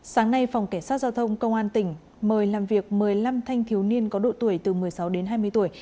sáng nay phòng cảnh sát giao thông công an tỉnh mời làm việc một mươi năm thanh thiếu niên có độ tuổi từ một mươi sáu đến hai mươi tuổi